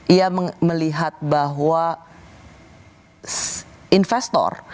ia melihat bahwa investor